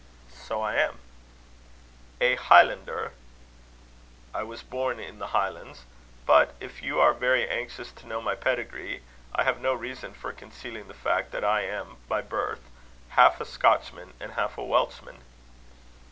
"So I am." "A Highlander?" "I was born in the Highlands. But if you are very anxious to know my pedigree, I have no reason for concealing the fact that I am, by birth, half a Scotchman and half a Welchman."